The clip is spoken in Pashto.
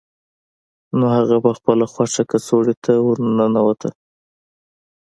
نو هغه په خپله خوښه کڅوړې ته ورننوته